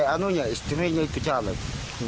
anunya istrinya itu caleg